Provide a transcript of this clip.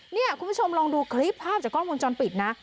นี่คุณผู้ชมลองดูคลิปภาพจากกล้องวงจรปิดนะ